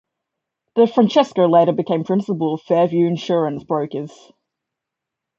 De Francesco later became principal of Fairview Insurance Brokers.